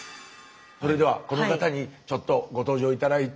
それではこの方にちょっとご登場頂いて。